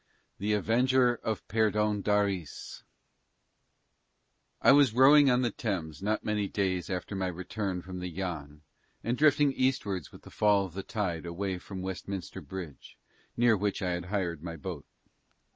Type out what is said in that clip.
THE AVENGER OF PERDÓNDARIS I was rowing on the Thames not many days after my return from the Yann and drifting eastwards with the fall of the tide away from Westminster Bridge, near which I had hired my boat.